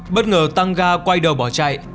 bất ngờ tăng ga quay đầu bỏ chạy